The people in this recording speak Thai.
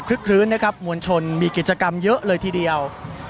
คลื้นนะครับมวลชนมีกิจกรรมเยอะเลยทีเดียว